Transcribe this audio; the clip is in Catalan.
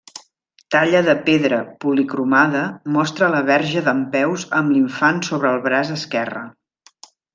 Talla de pedra policromada, mostra la Verge dempeus amb l'Infant sobre el braç esquerre.